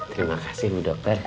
terima kasih ibu